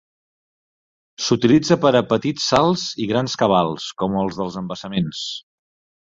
S'utilitza per a petits salts i grans cabals, com els dels embassaments.